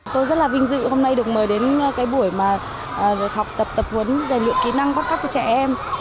tôi rất là vinh dự hôm nay được mời đến cái buổi mà học tập tập huấn giải lượng kỹ năng cóc cóc của trẻ em